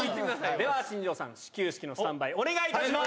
では新庄さん、始球式のスタンバイ、お願いいたします。